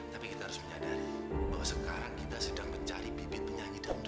tapi kita harus menyadari bahwa sekarang kita sedang mencari bibit penyanyi dangdut